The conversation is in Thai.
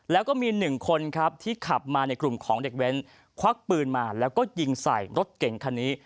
แล้วก็มีหนึ่งคนครับที่ขับมาในกลุ่มของเด็กเว้นควักปืนมาแล้วก็ยิงใส่รถเก่งคันนี้